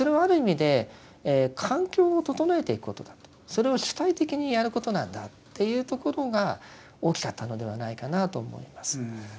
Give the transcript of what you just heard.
それを主体的にやることなんだっていうところが大きかったのではないかなと思います。